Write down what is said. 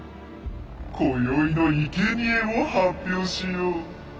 こよいのいけにえを発表しよう。